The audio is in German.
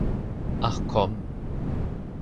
Ach komm.